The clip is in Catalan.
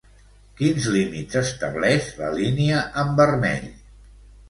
Quins límits estableix la línia en vermell?